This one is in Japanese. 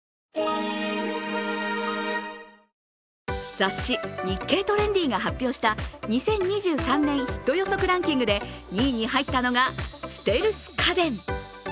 雑誌「日経トレンディ」が発表した２０２３年ヒット予測ランキングで２位に入ったのがステルス家電。